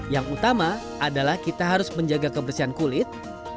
yang utama adalah kita harus menjaga kebersihan kulit